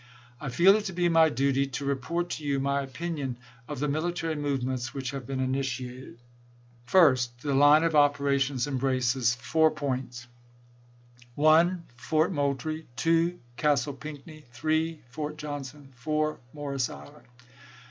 I feel it to be my duty to report to you my opinion of the mili tary movements which have been initiated. First. The hue of operations embraces four points : 1. Fort Moultrie. 2. Castle Pinckney. 3. Fort Johnson. 4. Morris Island.